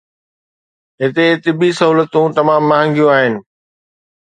هتي طبي سهولتون تمام مهانگيون آهن